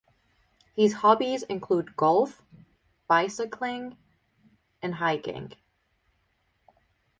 His hobbies include golf, bicycling, and hiking.